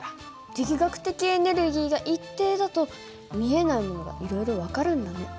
力学的エネルギーが一定だと見えないものがいろいろ分かるんだね。